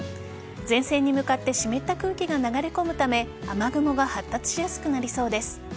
前線に向けて湿った空気が流れ込むため雨雲が発達しやすくなりそうです。